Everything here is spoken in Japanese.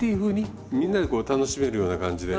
みんなでこう楽しめるような感じで。